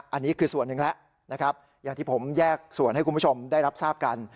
อันนี้คือส่วนหนึ่งแล้วนะครับอย่างที่ผมแยกส่วนให้คุณผู้ชมได้รับทราบกัน